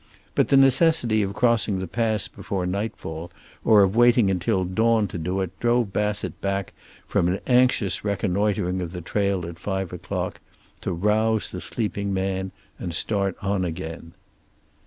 But the necessity of crossing the pass before nightfall or of waiting until dawn to do it drove Bassett back from an anxious reconnoitering of the trail at five o'clock, to rouse the sleeping man and start on again.